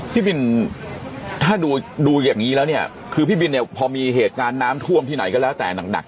พี่บินถ้าดูอย่างนี้แล้วเนี่ยคือพี่บินเนี่ยพอมีเหตุการณ์น้ำท่วมที่ไหนก็แล้วแต่หนัก